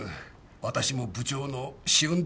私も部長の試運転中だ。